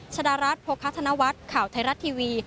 ชดารัฐโภคธนวัฒน์ข่าวไทยรัฐทีวี